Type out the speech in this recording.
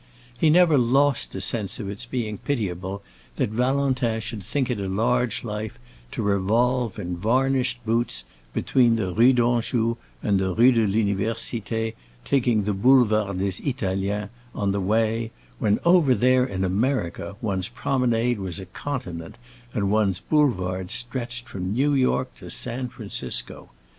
He never lost a sense of its being pitiable that Valentin should think it a large life to revolve in varnished boots between the Rue d'Anjou and the Rue de l'Université, taking the Boulevard des Italiens on the way, when over there in America one's promenade was a continent, and one's Boulevard stretched from New York to San Francisco.